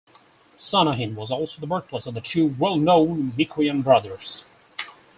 Sanahin was also the birthplace of the two well-known Mikoyan brothers.